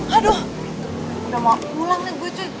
aduh udah mau pulang nih gue cuy